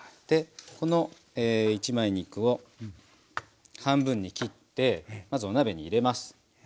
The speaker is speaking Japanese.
この一枚肉を半分に切ってまずお鍋に入れます。